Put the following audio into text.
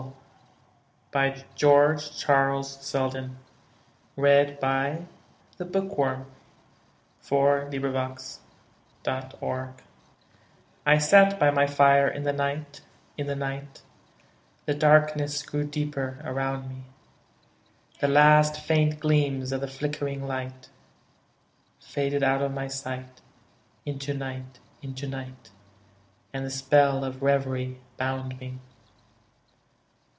E F . G H . I J . K L . M N . O P . Q R . S T . U V . W X . Y Z The Fire Soul I sat by my fire in the night, in the night, The darkness grew deeper around me, The last faint gleams of the flickering light Faded out of my sight, into night, into night, And the spell of revery bound me.